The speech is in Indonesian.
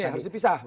ini harus dipisah